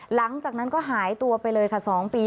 หลังจากนั้นก็หายตัวไปเลยค่ะ๒ปี